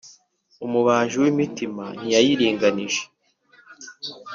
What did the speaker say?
Umubaji w’imitima ntiyayiringanije